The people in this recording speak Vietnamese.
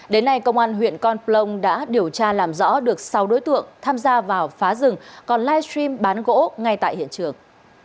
đến nay công an huyện con plong đã điều tra làm rõ được sáu đối tượng tham gia vào phá rừng còn livestream bán gỗ ngay tại hiện trường